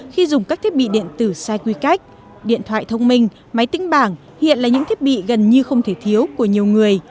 khi dùng các thiết bị điện tử sai quy cách điện thoại thông minh máy tính bảng hiện là những thiết bị gần như không thể thiếu của nhiều người